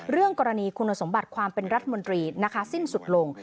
เรื่องกรณีคุณสมบัติความเป็นรัฐมนตรีนะคะสิ้นสุดลง